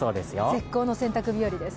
絶好の洗濯日和です。